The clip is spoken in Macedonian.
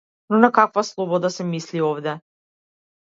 Но на каква слобода се мисли овде?